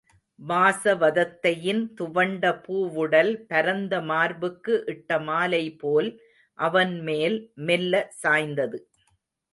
வாசவதத்தையின் துவண்ட பூவுடல் பரந்த மார்புக்கு இட்டமாலை போல் அவன்மேல் மெல்ல சாய்ந்தது.